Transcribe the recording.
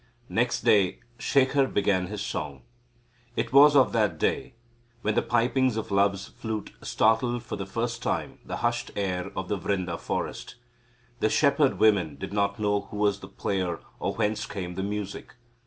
Next day Shekhar began his song. It was of that day when the pipings of love's flute startled for the first time the hushed air of the Vrinda forest. The shepherd women did not know who was the player or whence came the music.